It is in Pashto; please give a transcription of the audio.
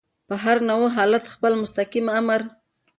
په هر نوع حالت کي خپل مستقیم آمر په جریان باندي خبرول.